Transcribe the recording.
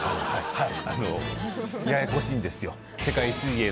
はい。